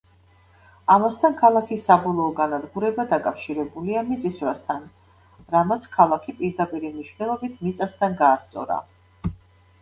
ამასთან, ქალაქის საბოლოო განადგურება დაკავშირებულია მიწისძვრასთან, რამაც ქალაქი პირდაპირი მნიშვნელობით მიწასთან გაასწორა.